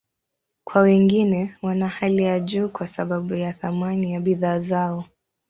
Kwa wengine, wana hali ya juu kwa sababu ya thamani ya bidhaa zao.